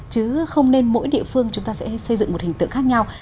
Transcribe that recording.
chứ không nên mỗi địa phương chúng ta sẽ xây dựng một hình tượng khác nhau